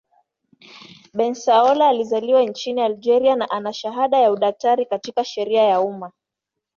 Bensaoula alizaliwa nchini Algeria na ana shahada ya udaktari katika sheria ya umma.